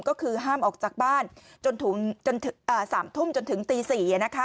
ก็คือห้ามออกจากบ้านจน๓ทุ่มจนถึงตี๔